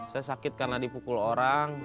saya sakit karena dipukul orang